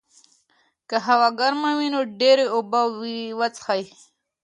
که هوا ګرمه وي، نو ډېرې اوبه وڅښئ.